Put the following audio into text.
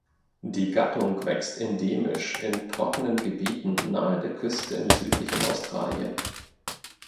Die Gattung wächst endemisch in trockenen Gebieten nahe der Küste im südlichen Australien.